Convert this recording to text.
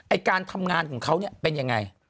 ไอ้การทำงานของเขาเป็นอย่างไร